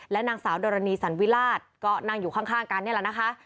นางสาวดรณีสันวิราชก็นั่งอยู่ข้างกันนี่แหละนะคะ